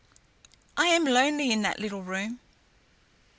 "I am lonely in that little room."